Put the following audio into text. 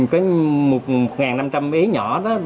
có một năm trăm linh mấy nhỏ đó